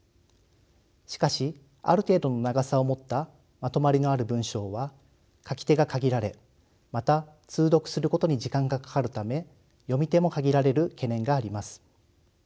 しかしある程度の長さを持ったまとまりのある文章は書き手が限られまた通読することに時間がかかるため読み手も限られる懸念があります。